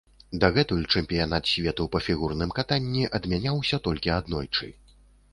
Дагэтуль чэмпіянат свету па фігурным катанні адмяняўся толькі аднойчы.